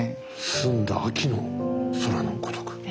「澄んだ秋の空のごとく」。